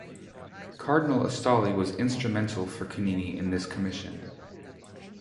Cardinal Astalli was instrumental for Canini in this commission.